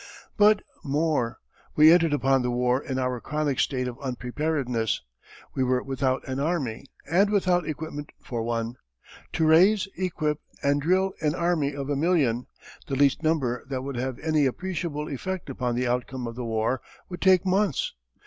But more. We entered upon the war in our chronic state of unpreparedness. We were without an army and without equipment for one. To raise, equip, and drill an army of a million, the least number that would have any appreciable effect upon the outcome of the war, would take months.